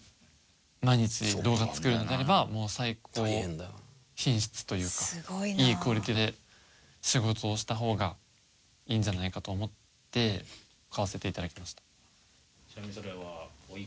毎日動画作るのであれば最高品質というかいいクオリティで仕事をした方がいいんじゃないかと思って買わせて頂きました。